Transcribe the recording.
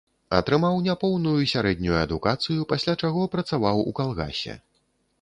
Атрымаў няпоўную сярэднюю адукацыю, пасля чаго працаваў у калгасе.